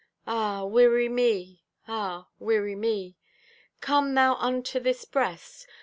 Ah, weary me, ah, weary me! Come thou unto this breast.